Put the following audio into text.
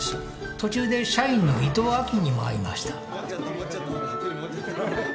途中で社員の伊藤亜紀にも会いました